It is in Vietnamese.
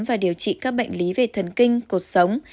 và điều trị các bệnh lý về thần kinh cuộc sống